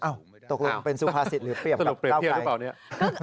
อ้าวตกลงเป็นสุพาสิทธิ์หรือเปรียบกับก้าวไกล